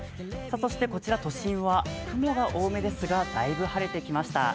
こちら都心は雲が多めですが大分晴れてきました。